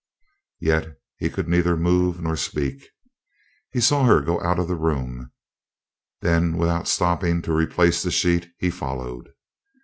Yet he could neither move nor speak. He saw her go out of the room. Then, without stopping to replace the sheet, he followed.